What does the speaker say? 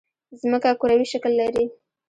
ځمکه کوروي شکل لري